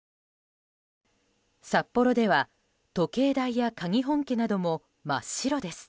札幌では時計台やかに本家なども真っ白です。